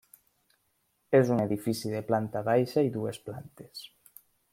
És un edifici de planta baixa i dues plantes.